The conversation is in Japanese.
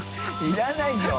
いらないよ。